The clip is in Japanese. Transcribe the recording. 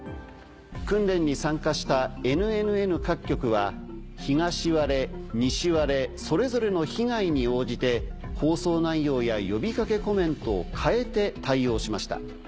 訓練に参加したＮＮＮ各局は東割れ西割れそれぞれの被害に応じて放送内容や呼びかけコメントを変えて対応しました。